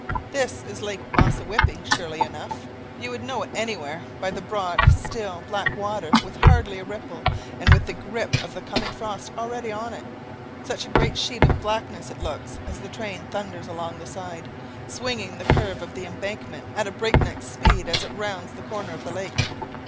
This is Lake Ossawippi surely enough. You would know it anywhere by the broad, still, black water with hardly a ripple, and with the grip of the coming frost already on it. Such a great sheet of blackness it looks as the train thunders along the side, swinging the curve of the embankment at a breakneck speed as it rounds the corner of the lake.